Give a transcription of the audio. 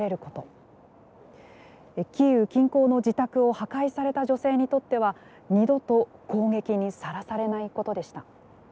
キーウ近郊の自宅を破壊された女性にとっては二度と攻撃にさらされないことでした。